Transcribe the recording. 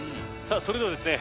それではですね